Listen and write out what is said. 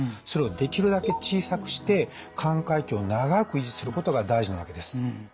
それをできるだけ小さくして寛解期を長く維持することが大事なわけです。